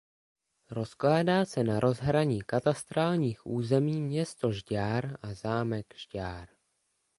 Rozkládá se na rozhraní katastrálních území Město Žďár a Zámek Žďár.